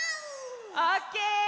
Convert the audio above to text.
オッケー！